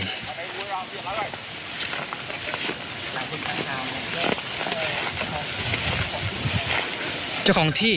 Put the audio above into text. ของที่นะจากของที่